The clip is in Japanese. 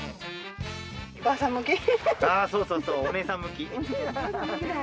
そうそう、お姉さん向き！